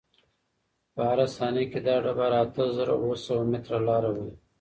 په هره ثانیه کې دا ډبره اته زره اوه سوه متره لاره وهي.